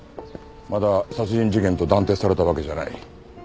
まだ殺人事件と断定されたわけじゃない。